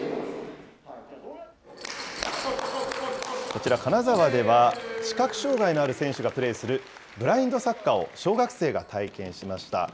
こちら、金沢では視覚障害のある選手がプレーするブラインドサッカーを、小学生が体験しました。